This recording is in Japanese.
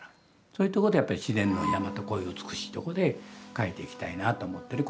そういうとこでやっぱり自然の山とこういう美しいとこで描いていきたいなと思ってる。